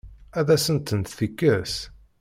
Ad asent-tent-tekkes?